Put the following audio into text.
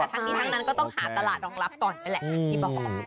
ทั้งนี้ทั้งนั้นก็ต้องหาตลาดรองรับก่อนไปแหละอิบอฮอล์